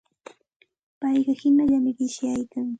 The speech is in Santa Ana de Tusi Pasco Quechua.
Payqa hinallami qishyaykan.